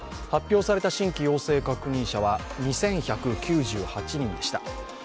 発表された新規陽性確認者は２１９８人でした。